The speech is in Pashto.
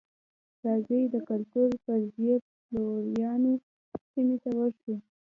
راځئ د کلتور فرضیې پلویانو سیمې ته ورشو.